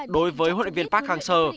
đối với huấn luyện viên park hang seo